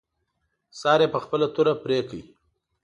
سر یې په خپله توره پرې کړ.